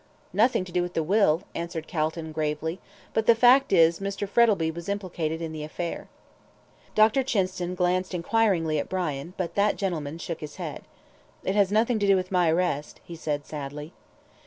"Nothing to do with the will," answered Calton, gravely; "but the fact is, Mr. Frettlby was implicated in the affair." Dr. Chinston glanced enquiringly at Brian, but that gentleman shook his head. "It has nothing to do with my arrest," he said, sadly.